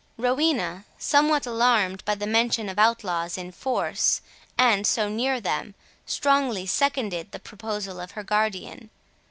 Rowena, somewhat alarmed by the mention of outlaws in force, and so near them, strongly seconded the proposal of her guardian.